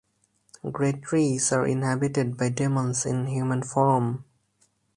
Great trees are inhabited by demons in human form.